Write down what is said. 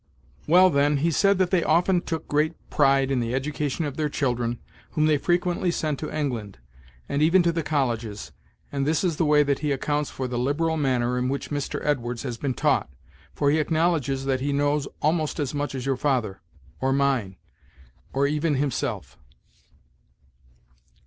"Well, then, he said that they often took great pride in the education of their children, whom they frequently sent to England, and even to the colleges; and this is the way that he accounts for the liberal manner in which Mr. Edwards has been taught; for he acknowledges that he knows almost as much as your father or mine or even himself."